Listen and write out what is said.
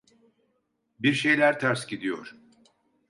Bir şeyler ters gidiyor.